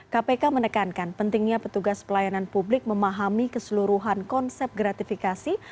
kpk menekankan pentingnya petugas pelayanan publik memahami keseluruhan konsep gratifikasi